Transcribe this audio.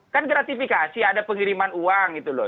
kan gratifikasi ada pengiriman uang gitu loh